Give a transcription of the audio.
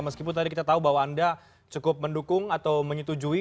meskipun tadi kita tahu bahwa anda cukup mendukung atau menyetujui